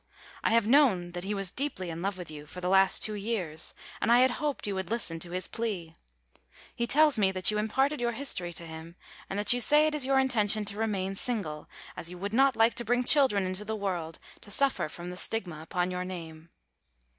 I have known that he was deeply in love with you for the last two years, and I had hoped you would listen to his plea. He tells me that you imparted your history to him, and that you say it is your intention to remain single, as you would not like to bring children into the world to suffer from the stigma upon your name.